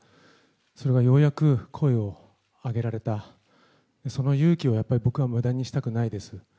それがようやく声を上げられた、その勇気をやっぱり僕はむだにしたくないです。